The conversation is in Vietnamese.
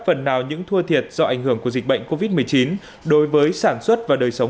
phần nào những thua thiệt do ảnh hưởng của dịch bệnh covid một mươi chín đối với sản xuất và đời sống